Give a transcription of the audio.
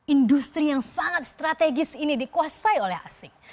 industri yang sangat strategis ini dikuasai oleh asing